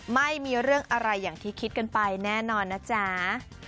ไม่มีเรื่องอะไรอย่างที่คิดกันไปแน่นอนนะจ๊ะ